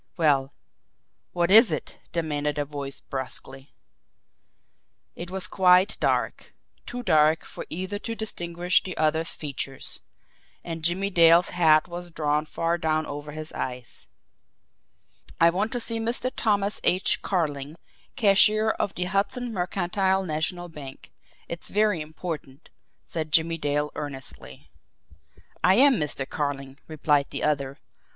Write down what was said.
"Well, what is it?" demanded a voice brusquely. It was quite dark, too dark for either to distinguish the other's features and Jimmie Dale's hat was drawn far down over his eyes. "I want to see Mr. Thomas H. Carling, cashier of the Hudson Mercantile National Bank it's very important," said Jimmie Dale earnestly. "I am Mr. Carling," replied the other.